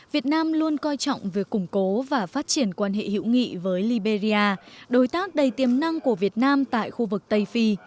việt nam luôn coi trọng việc củng cố và phát triển quan hệ hữu nghị với liberia đối tác đầy tiềm năng của việt nam tại khu vực tây phi